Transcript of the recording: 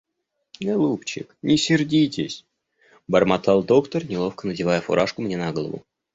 — Голубчик, не сердитесь, — бормотал доктор, неловко надевая фуражку мне на голову.